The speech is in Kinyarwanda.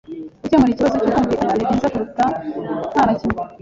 Gukemura ikibazo cyo kumvikana ni byiza kuruta ntanakimwe.